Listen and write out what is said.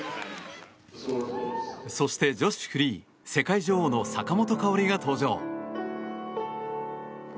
そして女子フリー世界女王の坂本花織が登場。